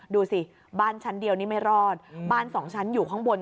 ดูสิบ้านชั้นเดียวนี้ไม่รอดบ้านสองชั้นอยู่ข้างบน